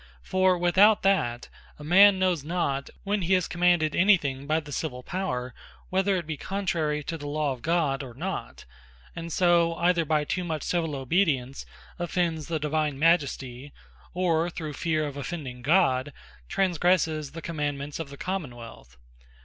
For without that, a man knows not, when he is commanded any thing by the Civill Power, whether it be contrary to the Law of God, or not: and so, either by too much civill obedience, offends the Divine Majesty, or through feare of offending God, transgresses the commandements of the Common wealth.